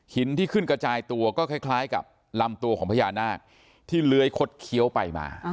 หินที่ขึ้นกระจายตัวก็คล้ายกับลำตัวของพญานาคที่เลื้อยคดเคี้ยวไปมา